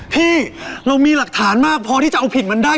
พี่เรามีหลักฐานมากพอที่จะเอาผิดมันได้